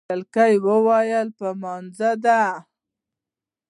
جلکۍ ویلوړه په لمونځه ده